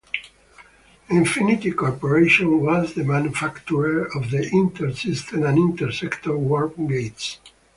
Infiniti Corporation was the manufacturer of the inter-system and inter-sector warp gates.